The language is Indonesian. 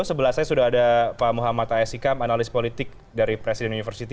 sebelah saya sudah ada pak muhammad ayesikam analis politik dari presiden universiti